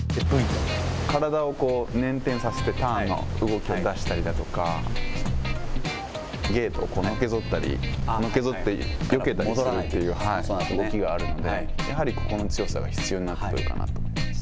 体を捻転させて、ターンの動きを出したりだとか、ゲートをのけぞったり、のけぞってよけたりするという動きがあるので、やはりここの強さが必要になってくるかなと思います。